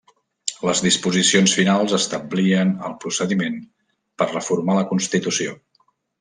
Les disposicions finals establien el procediment per reformar la Constitució.